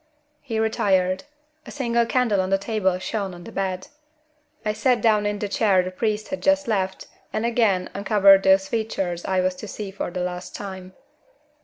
He retired. A single candle on the table shone on the bed. I sat down in the chair the priest had just left and again uncovered those features I was to see for the last time.